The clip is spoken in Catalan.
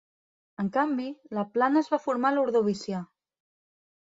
En canvi, la plana es va formar a l'ordovicià.